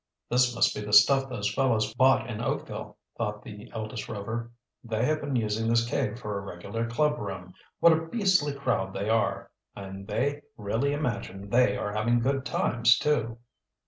"This must be the stuff those fellows bought in Oakville," thought the eldest Rover. "They have been using this cave for a regular club room. What a beastly crowd they are! And they really imagine they are having good times, too!"